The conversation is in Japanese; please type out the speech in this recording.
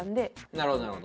なるほどなるほど。